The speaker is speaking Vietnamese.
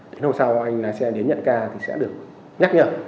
đến hôm sau các anh lái xe đến nhận ca thì sẽ được nhắc nhở